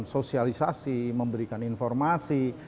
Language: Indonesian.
sosialisasi memberikan informasi